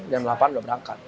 jam delapan sudah berangkat